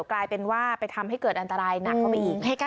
กลายเป็นว่าไปทำให้เกิดอันตรายหนักเข้าไปอีก